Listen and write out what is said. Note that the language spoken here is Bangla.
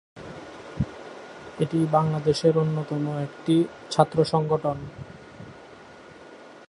এটি বাংলাদেশের অন্যতম একটি ছাত্র সংগঠন।